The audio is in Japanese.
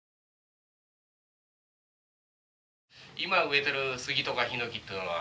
今植えてる杉とかヒノキっていうのは。